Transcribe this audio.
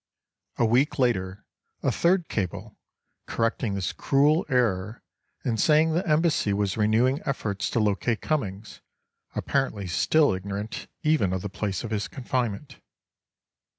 A week later a third cable correcting this cruel error and saying the Embassy was renewing efforts to locate Cummings—apparently still ignorant even of the place of his confinement.